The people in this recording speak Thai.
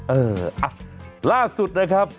เออล่าสุดนะครับ